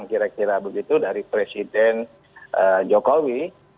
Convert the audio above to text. kira kira begitu dari presiden jokowi